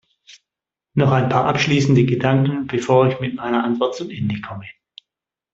Noch ein paar abschließende Gedanken, bevor ich mit meiner Antwort zum Ende komme.